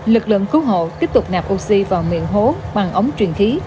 lực lượng cứu hộ tiếp tục nạp oxy vào miệng hố bằng ống truyền khí